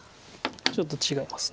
ちょっと違います。